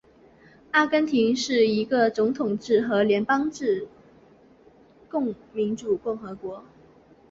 阿根廷是一个总统制和联邦制民主共和国。